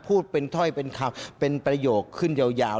พูดเป็นถ้อยเป็นคำเป็นประโยคขึ้นยาว